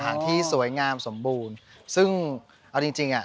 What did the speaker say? ชื่องนี้ชื่องนี้ชื่องนี้ชื่องนี้ชื่องนี้ชื่องนี้